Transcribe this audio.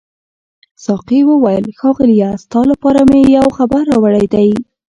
ساقي وویل ښاغلیه ستا لپاره مې یو خبر راوړی دی.